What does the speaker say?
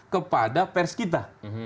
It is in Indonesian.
kepada pers kita